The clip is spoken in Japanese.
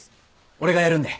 俺がやるんで。